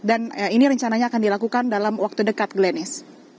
ini rencananya akan dilakukan dalam waktu dekat glenis